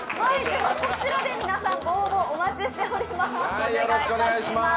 こちらで皆さんご応募、お待ちしております。